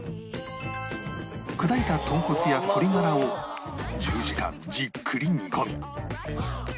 砕いた豚骨や鶏がらを１０時間じっくり煮込み